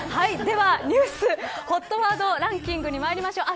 ニュースＨＯＴワードランキングにまいりましょう。